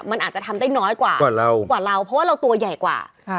มันอาจจะทำได้น้อยกว่าเรากว่าเราเพราะว่าเราตัวใหญ่กว่า